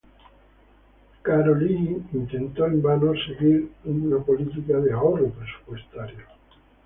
Károlyi intentó en vano seguir una política de ahorro presupuestario.